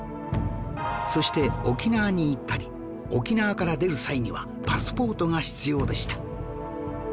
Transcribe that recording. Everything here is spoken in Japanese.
そして沖縄に行ったり沖縄から出る際にはパスポートが必要でした